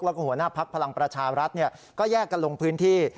แล้วก็หัวหน้าพักพลังประชารัฐก็แยกกันลงพื้นที่